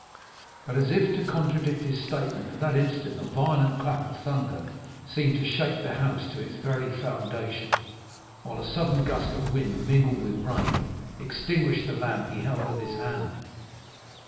"But as if to contradict his statement, at that instant a violent clap of thunder seemed to shake the house to its very foundation, while a sudden gust of wind, mingled with rain, extinguished the lamp he held in his hand.